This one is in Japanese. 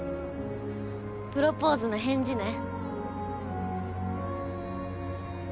プロポーズの返事ね。